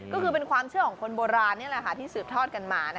ก็คือเป็นความเชื่อของคนโบราณที่สืบทอดกันมา